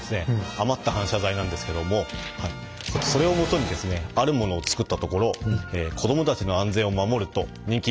余った反射材なんですけどもそれをもとにですねあるものを作ったところ子供たちの安全を守ると人気になっています。